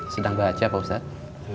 sedang baca pak ustadz